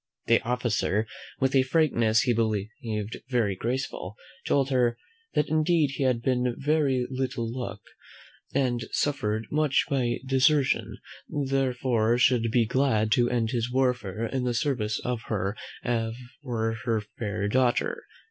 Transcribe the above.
The officer, with a frankness he believed very graceful, told her, "That indeed he had but very little luck, and had suffered much by desertion, therefore should be glad to end his warfare in the service of her or her fair daughter.